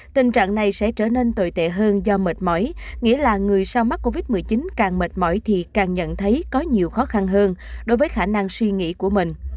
tình trạng này sẽ trở nên tồi tệ hơn do mệt mỏi nghĩa là người sau mắc covid một mươi chín càng mệt mỏi thì càng nhận thấy có nhiều khó khăn hơn đối với khả năng suy nghĩ của mình